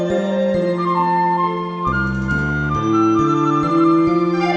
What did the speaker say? มาครับ